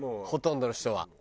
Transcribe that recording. ほとんどの人は。